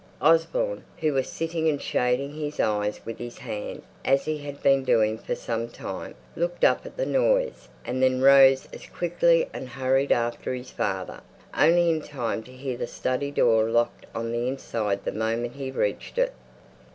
Osborne, who was sitting and shading his eyes with his hand, as he had been doing for some time, looked up at the noise, and then rose as quickly and hurried after his father, only in time to hear the study door locked on the inside the moment he reached it.